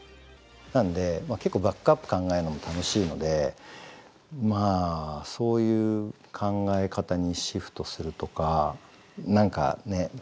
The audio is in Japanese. なんで結構バックアップ考えるのも楽しいのでまあそういう考え方にシフトするとか何かね？